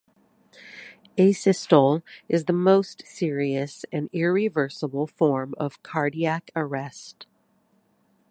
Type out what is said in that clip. Asystole is the most serious and irreversible form of cardiac arrest.